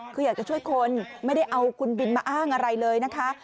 คืออยากจะช่วยคนไม่ได้เอาคุณบินมาอ้างอะไรเลยนะคะ